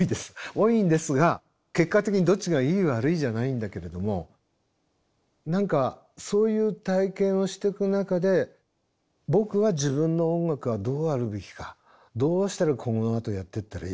多いんですが結果的にどっちがいい悪いじゃないんだけれども何かそういう体験をしてく中で僕は自分の音楽がどうあるべきかどうしたらこのあとやってったらいいのか。